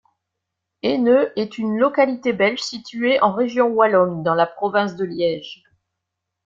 Esneux est une localité belge située en Région Wallonne, dans la province de Liège.